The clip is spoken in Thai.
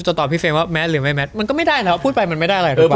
จะตอบพี่เฟนว่าแมทหรือไม่แมทมันก็ไม่ได้แล้วพูดไปมันไม่ได้เลย